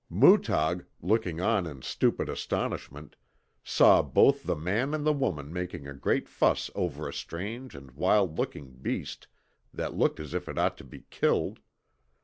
Mootag, looking on in stupid astonishment, saw both the man and the woman making a great fuss over a strange and wild looking beast that looked as if it ought to be killed.